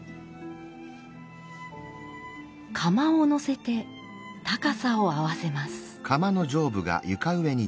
釜を載せて高さを合わせます。